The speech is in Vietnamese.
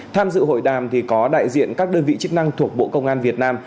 tham dự hội đàm có đại diện các đơn vị chức năng thuộc bộ công an việt nam